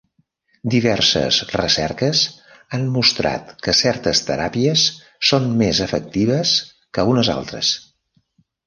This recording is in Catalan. Diverses recerques han mostrat que certes teràpies són més efectives que unes altres.